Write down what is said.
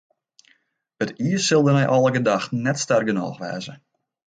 It iis sil dêr nei alle gedachten net sterk genôch wêze.